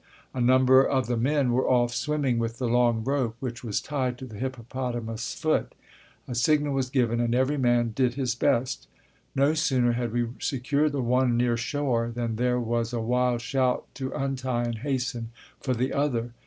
A number of the men were off swimming with the long rope which was tied to the hippopotamus' foot. A signal was given and every man did his best. No sooner had we secured the one near shore than there was a wild shout to untie and hasten for the other.